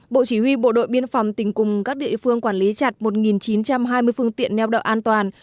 bộ chỉ huy bộ đội biên phòng tỉnh cùng các địa phương quản lý chặt một chín trăm hai mươi phương tiện neo đậu an toàn